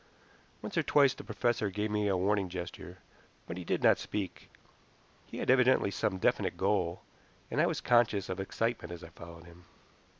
Once or twice the professor gave me a warning gesture, but he did not speak. He had evidently some definite goal, and I was conscious of excitement as I followed him.